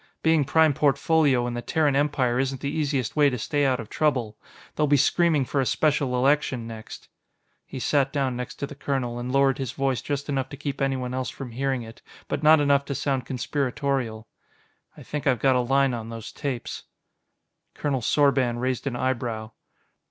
Being Prime Portfolio in the Terran Empire isn't the easiest way to stay out of trouble. They'll be screaming for a Special Election next." He sat down next to the colonel and lowered his voice just enough to keep anyone else from hearing it, but not enough to sound conspiratorial. "I think I've got a line on those tapes." Colonel Sorban raised an eyebrow.